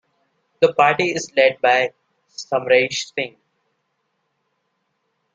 The party is led by Samresh Singh.